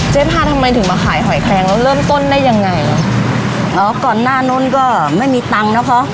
พาทำไมถึงมาขายหอยแคลงแล้วเริ่มต้นได้ยังไงอ๋อก่อนหน้านู้นก็ไม่มีตังค์นะคะ